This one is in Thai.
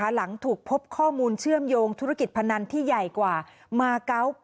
หลังถูกพบข้อมูลเชื่อมโยงธุรกิจพนันที่ใหญ่กว่ามาเกาะ